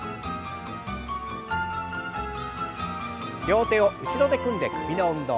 両手を後ろで組んで首の運動。